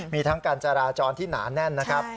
มีทั้งการจราจรที่หนาแน่นนะครับ